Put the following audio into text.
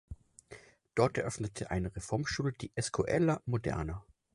Dort eröffnete er eine Reformschule, die Escuela Moderna.